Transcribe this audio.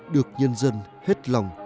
được nhân dân hết lòng